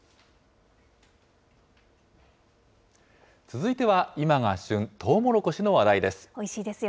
続いては今が旬、トウモロコシの話題です。